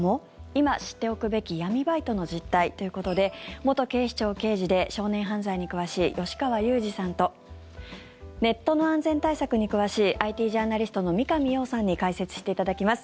今、知っておくべき闇バイトの実態ということで元警視庁刑事で少年犯罪に詳しい吉川祐二さんとネットの安全対策に詳しいＩＴジャーナリストの三上洋さんに解説していただきます。